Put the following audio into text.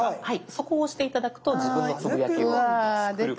そこを押して頂くと自分のつぶやきを作ることができます。